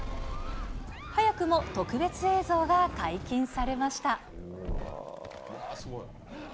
早くも特別映像が解禁されました。